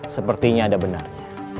sepertinya ada benarnya